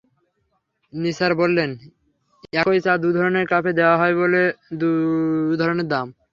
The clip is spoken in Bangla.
নিসার বললেন, একই চা দু ধরনের কাপে দেওয়া হয় বলে দু ধরনের দাম।